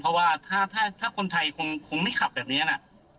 เพราะว่าถ้าคนไทยคงไม่ขับแบบนี้นะ